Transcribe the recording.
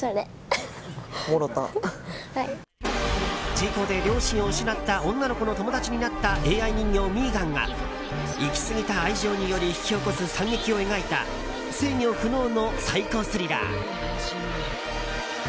事故で両親を失った女の子の友達になったＡＩ人形ミーガンが行き過ぎた愛情により引き起こす惨劇を描いた制御不能のサイコスリラー。